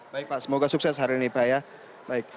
baik pak semoga sukses hari ini pak ya